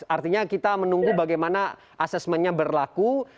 artinya kita menunggu bagaimana asesmennya berlaku